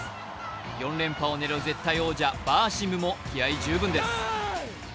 ４連覇を狙う絶対王者・バーシムも気合い十分です。